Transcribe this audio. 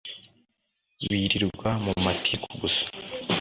birirwa mu matiku gusa